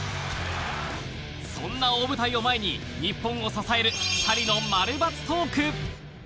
そんな大舞台を前に日本を支える、２人の○×トーク！